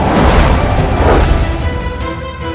saya akan menjaga kebenaran raden